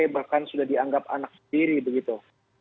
bahkan sudah dianggap anak sendiri begitu